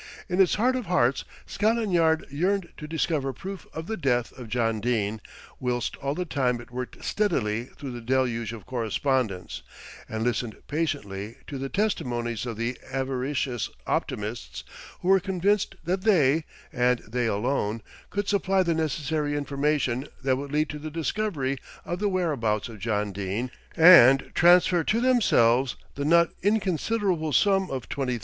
In its heart of hearts Scotland Yard yearned to discover proof of the death of John Dene, whilst all the time it worked steadily through the deluge of correspondence, and listened patiently to the testimonies of the avaricious optimists who were convinced that they, and they alone, could supply the necessary information that would lead to the discovery of the whereabouts of John Dene, and transfer to themselves the not inconsiderable sum of £20,000.